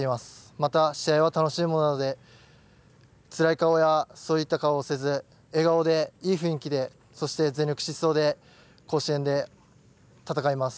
また、試合は楽しいものなのでつらい顔やそういった顔をせず笑顔で、いい雰囲気でそして全力疾走で甲子園で戦います。